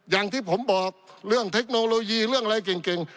อย่างที่ผมบอกเรื่องเทคโนโลยีเรื่องอะไรเก่ง